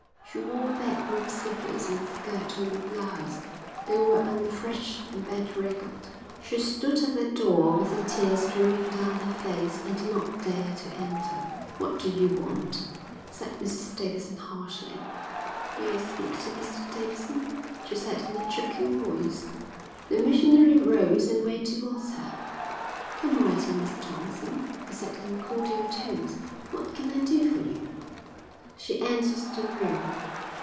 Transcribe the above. She wore bedroom slippers and a skirt and blouse. They were unfresh and bedraggled. She stood at the door with the tears streaming down her face and did not dare to enter. "What do you want?" said Mrs Davidson harshly. "May I speak to Mr Davidson?" she said in a choking voice. The missionary rose and went towards her. "Come right in, Miss Thompson," he said in cordial tones. "What can I do for you?" She entered the room.